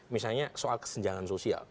misalnya soal kesenjangan sosial